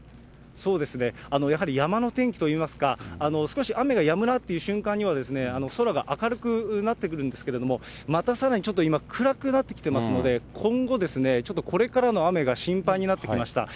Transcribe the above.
そうですね、やはり山の天気といいますか、少し雨がやむなという瞬間には空が明るくなってくるんですけれども、またさらにちょっと今、暗くなってきてますので、今後、ちょっとこれからの雨が心配になってきました。